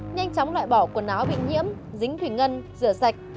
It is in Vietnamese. nhanh chóng loại bỏ quần áo bị nhiễm dính thủy ngân rửa sạch